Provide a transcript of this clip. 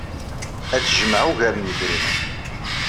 Ad tejmeɛ ugar n yedrimen.